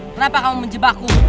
kenapa kamu menjebakku